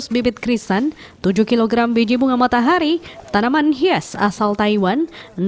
dua ratus bibit krisan tujuh kg biji bunga matahari tanaman hias asal taiwan